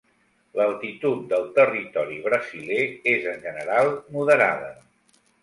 L'altitud del territori brasiler és en general moderada.